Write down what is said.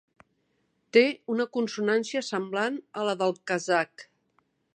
Té una consonància semblant a la del kazakh.